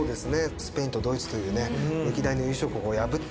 スペインとドイツという歴代の優勝国を破って。